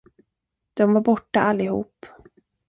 De var borta allihop.